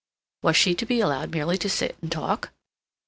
Was she to be allowed merely to sit and talk?